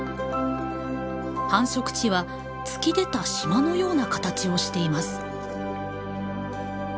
繁殖地は突き出た島のような形をしています。